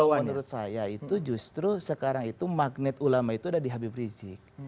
kalau menurut saya itu justru sekarang itu magnet ulama itu ada di habib rizik